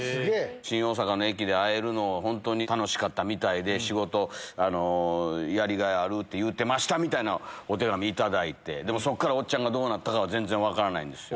新大阪の駅で会えるのを本当に楽しかったみたいで、仕事やりがいあるって言うてましたってお手紙頂いて、でもそこからおっちゃんがどうなったかは全然分からないんですよ。